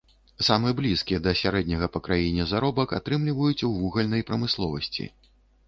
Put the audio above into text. Самы блізкі да сярэдняга па краіне заробак атрымліваюць у вугальнай прамысловасці.